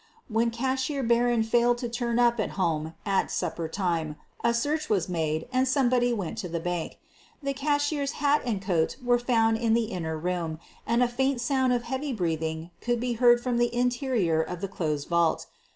When Cashier Barron failed to turn up at home at supper time a search was made and somebody went to the bank. The cashier's hat and coat were found in the inner room, and a faint sound of heavy breathing could be heard from the interior of the closed vault.